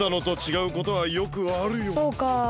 そうかあ。